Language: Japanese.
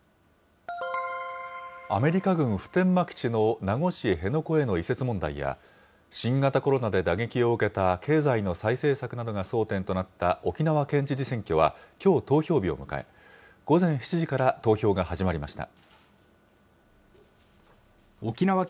アメリカ軍普天間基地の名護市辺野古への移設問題や新型コロナで打撃を受けた経済の再生策などが争点となった沖縄県知事選挙はきょう投票日を迎え、午前７時から投票が始まりました。